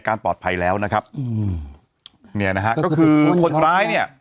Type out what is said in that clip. ปลอดภัยแล้วนะครับอืมเนี่ยนะฮะก็คือคนร้ายเนี่ย